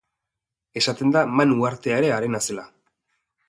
Esaten da Man uhartea ere harena zela.